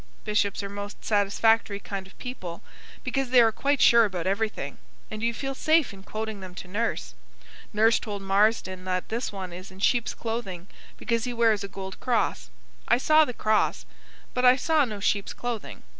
Bishops are most satisfactory kind of people; because they are quite sure about everything; and you feel safe in quoting them to Nurse. Nurse told Marsdon that this one is in "sheep's clothing," because he wears a gold cross. I saw the cross; but I saw no sheep's clothing.